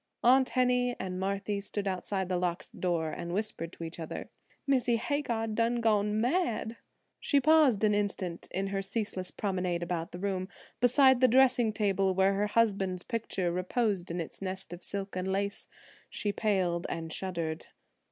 Aunt Henny and Marthy stood outside the locked door and whispered to each other: "Missee Hagar done gone mad!" She paused an instant, in her ceaseless promenade about the room, beside the dressing table where her husband's picture reposed in its nest of silk and lace; she paled and shuddered.